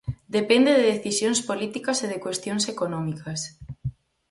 Depende de decisións políticas e de cuestións económicas.